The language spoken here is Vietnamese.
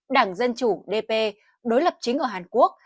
đảng dân chủ dp đối lập chính ở hàn quốc